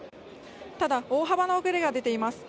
ただ、大幅な遅れが出ています。